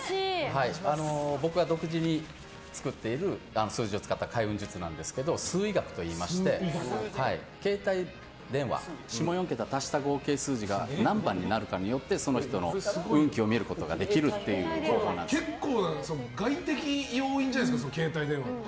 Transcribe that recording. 僕が独自に作っている数字を使った開運術なんですが数意学といいまして携帯電話下４桁を足した合計の数字が何番になるかによってその人の運気を見ることが結構、外的要因じゃないですか携帯電話って。